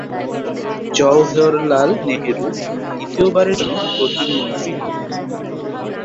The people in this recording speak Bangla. জওহরলাল নেহেরু দ্বিতীয়বারের জন্য প্রধানমন্ত্রী হন।